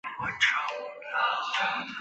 普赖萨。